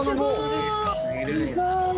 すごい。